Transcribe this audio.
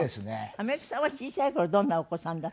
あめくさんは小さい頃どんなお子さんだったんですか？